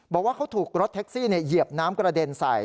บอกว่าเขาถูกรถแท็กซี่เหยียบน้ำกระเด็นใส่